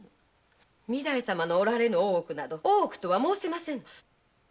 御台様のおられぬ大奥など大奥とは申せませぬ。